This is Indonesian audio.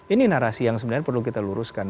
ini narasi yang sebenarnya perlu kita luruskan